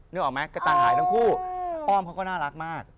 นึกออกไหมกระตังหายทั้งคู่อ้อมเขาก็น่ารักมาก